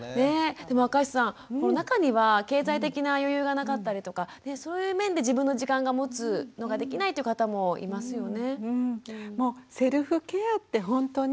でも赤石さん中には経済的な余裕がなかったりとかそういう面で自分の時間を持つのができないという方もいますよね。